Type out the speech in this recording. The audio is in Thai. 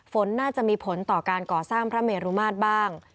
ฝนน่าจะมีผลต่อการก่อสร้างพระเมรุมาตรบ้าง